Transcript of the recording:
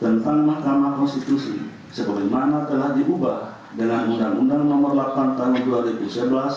tentang mahkamah konstitusi sebagaimana telah diubah dengan undang undang nomor delapan tahun dua ribu sebelas